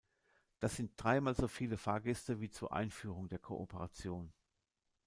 Das sind dreimal so viele Fahrgäste wie zur Einführung der Kooperation.